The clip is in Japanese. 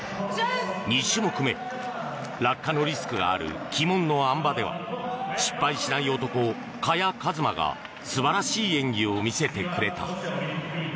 ２種目目、落下のリスクがある鬼門のあん馬では失敗しない男、萱和磨が素晴らしい演技を見せてくれた。